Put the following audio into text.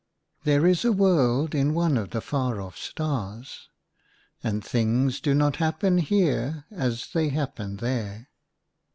HERE is a world in one of the far off stars, and things do not happen here as they happen there.